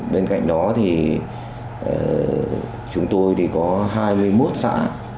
bên cạnh đó thì chúng tôi thì có hai mươi một xã